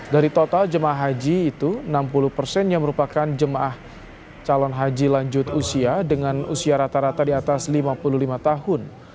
dari total jemaah haji itu enam puluh persen yang merupakan jemaah calon haji lanjut usia dengan usia rata rata di atas lima puluh lima tahun